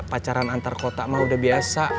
pacaran antar kota mah udah biasa